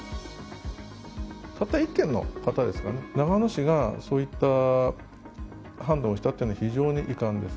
たった１軒の方ですかね、長野市がそういった判断をしたっていうのは非常に遺憾です。